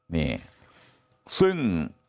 นี่ซึ่ง